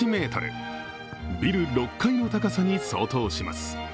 ビル６階の高さに相当します。